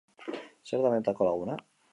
Zer da benetako laguna?